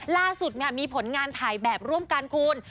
ล่าสุดมีผลงานถ่ายแบบร่วมกันคุณ